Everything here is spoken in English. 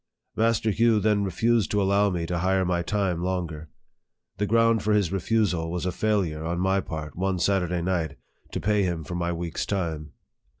Master Hugh then refused to allow me to hire my time longer. The ground for his refusal was a failure on my part, one Saturday night, to pay him for my week's time.